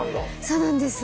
そうなんです。